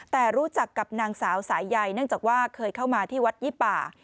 แต่รู้จักกับนางสาวสายใยเนื่องจากว่าเคยเข้ามาที่วัดยี่ป่า